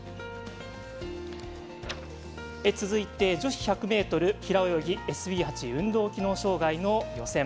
続いて女子１００ｍ平泳ぎＳＢ８運動機能障がいの予選。